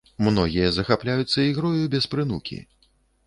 Многія захапляюцца ігрою без прынукі.